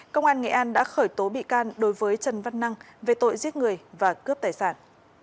công an nghệ an đã khởi tố bị can đối với trần văn năng về tội giết người và cướp tài sản